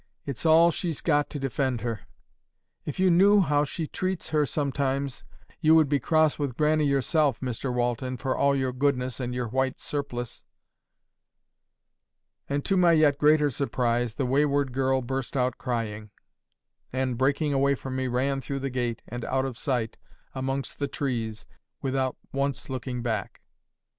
it's all she's got to defend her. If you knew how she treats her sometimes, you would be cross with Grannie yourself, Mr Walton, for all your goodness and your white surplice." And to my yet greater surprise, the wayward girl burst out crying, and, breaking away from me, ran through the gate, and out of sight amongst the trees, without once looking back.